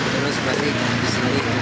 terus balik di sini